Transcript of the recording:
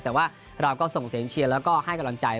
แต่ว่าเราก็ส่งเสียงเชียร์แล้วก็ให้กำลังใจ